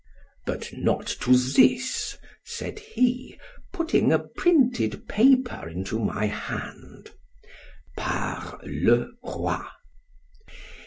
But not to this——said he—putting a printed paper into my hand, PAR le ROY.